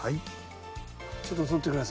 ちょっととって下さい。